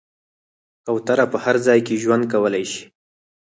کوتره په هر ځای کې ژوند کولی شي.